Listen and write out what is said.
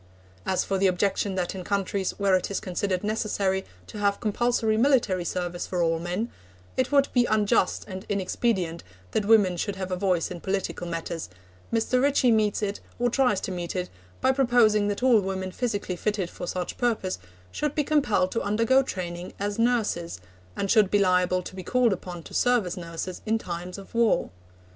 As for the objection that in countries where it is considered necessary to have compulsory military service for all men, it would be unjust and inexpedient that women should have a voice in political matters, Mr. Ritchie meets it, or tries to meet it, by proposing that all women physically fitted for such purpose should be compelled to undergo training as nurses, and should be liable to be called upon to serve as nurses in time of war.